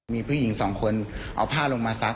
มีผู้หญิงสองคนเอาผ้าลงมาซัก